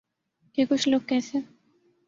کہ ’کچھ لوگ کیسے